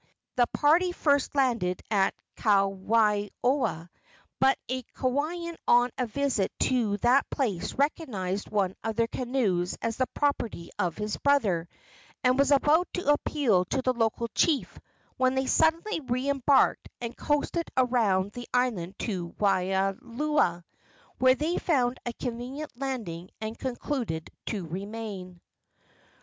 The party first landed at Kawailoa; but a Kauaian on a visit to that place recognized one of their canoes as the property of his brother, and was about to appeal to the local chief, when they suddenly re embarked and coasted around the island to Waialua, where they found a convenient landing and concluded to remain.